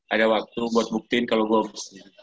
ada waktu buat buktiin kalau gue